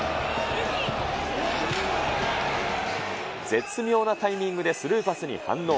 絶妙なタイミングでスルーパスに反応。